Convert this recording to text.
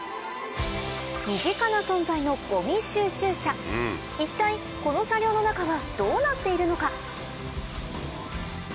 身近な存在の一体この車両の中はどうなっているのか？